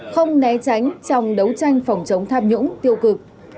không né tránh trong đấu tranh phòng chống tham nhũng tiêu cực